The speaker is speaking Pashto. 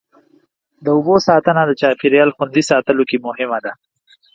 د اوبو ساتنه د چاپېریال خوندي ساتلو کې مهمه ده.